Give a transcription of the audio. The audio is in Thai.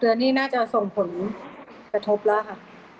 เดือนนี้น่าจะส่งผลกระทบแล้วค่ะ